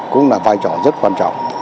cũng là vai trò rất quan trọng